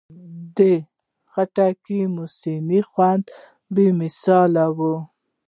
د خټکي موسمي خوند بې مثاله وي.